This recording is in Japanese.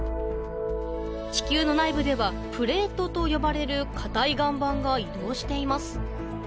地球の内部ではプレートと呼ばれる固い岩盤が移動しています